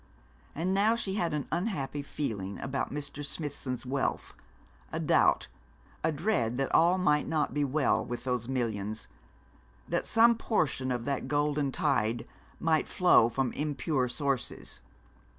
And now she had an unhappy feeling about Mr. Smithson's wealth, a doubt, a dread that all might not be well with those millions, that some portion of that golden tide might flow from impure sources.